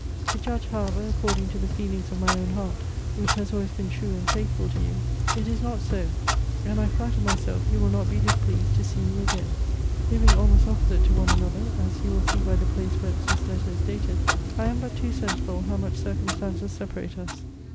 To judge, however, according to the fediings of my own heart, which has always been true and faithful to you, it is not so, and I flatter myself you will not be displeased to see me again. Living almost opposite to one another (as you will see by the place whence this letter is dated,) I am but too sensible, how much circumstances separate us.